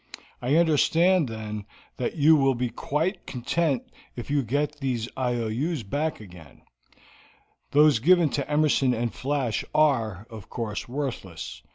I understand, then, that you will be quite content if you get these IOUs back again; those given to Emerson and Flash are, of course, worthless.